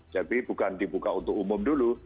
tapi bukan dibuka untuk umum dulu